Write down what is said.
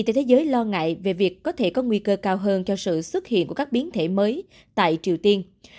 tổ chức y tế thế giới lo ngại về việc có thể có nguy cơ cao hơn cho sự xuất hiện của các biến thể mới tại triều tiên